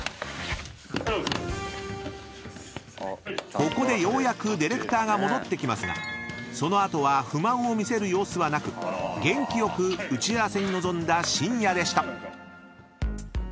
［ここでようやくディレクターが戻ってきますがその後は不満を見せる様子はなく元気よく打ち合わせに臨んだしんやでした］